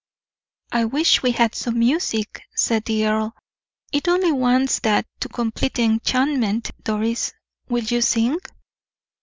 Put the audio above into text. "I wish we had some music," said the earl; "it only wants that to complete the enchantment. Doris, will you sing?"